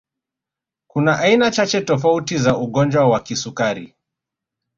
Kuna aina chache tofauti za ugonjwa wa kisukari